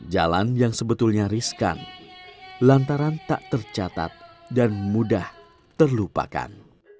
jalan yang sebetulnya riskan lantaran tak tercatat dan mudah terlupakan